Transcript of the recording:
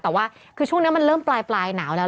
แต่ว่าคือช่วงนี้มันเริ่มปลายหนาวแล้ว